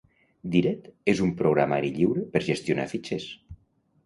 Dired és un programari lliure per gestionar fitxers.